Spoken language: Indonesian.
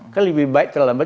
kan lebih baik terlambat